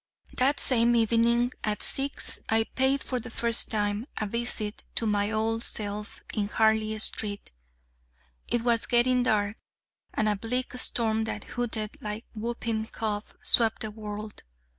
That same evening at six I paid, for the first time, a visit to my old self in Harley Street. It was getting dark, and a bleak storm that hooted like whooping cough swept the world.